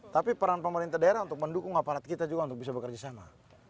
tapi peran pemerintah daerah untuk mendukung aparat kita juga untuk bisa bekerja sama